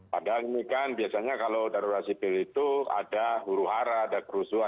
padahal ini kan biasanya kalau darurat sipil itu ada huru hara ada kerusuhan